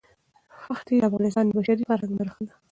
ښتې د افغانستان د بشري فرهنګ برخه ده.